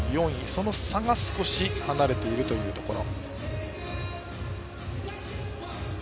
その差が少し離れているというところ。